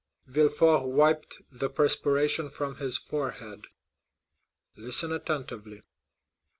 Villefort wiped the perspiration from his forehead. "Listen attentively."